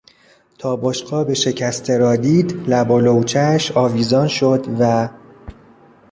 تا بشقاب شکسته را دید لب و لوچهاش آویزان شد و...